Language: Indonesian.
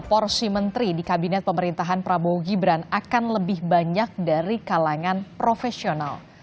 porsi menteri di kabinet pemerintahan prabowo gibran akan lebih banyak dari kalangan profesional